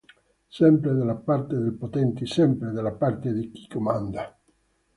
Sempre dalla parte dei potenti, sempre dalla parte di chi comanda.